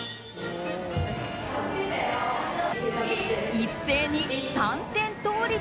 一斉に三点倒立。